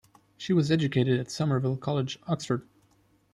She was educated at Somerville College, Oxford.